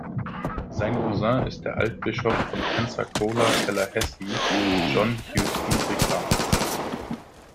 Sein Cousin ist der Altbischof von Pensacola-Tallahassee, John Huston Ricard.